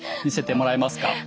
見せてもらえますか？